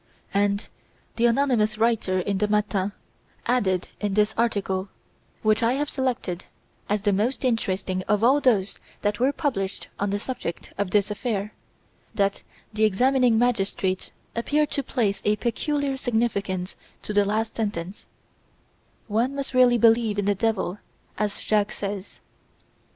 '" And the anonymous writer in the "Matin" added in this article which I have selected as the most interesting of all those that were published on the subject of this affair that the examining magistrate appeared to place a peculiar significance to the last sentence: "One must really believe in the Devil, as Jacques says."